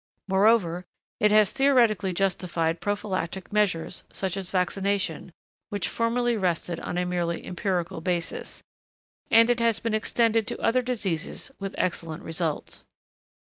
Moreover, it has theoretically justified prophylactic measures, such as vaccination, which formerly rested on a merely empirical basis; and it has been extended to other diseases with excellent results.